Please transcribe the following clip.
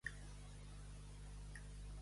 Posar peus davall taula.